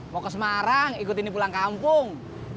mau ke semarang ikut ini pulang kampung